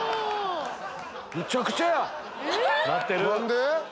めちゃくちゃや！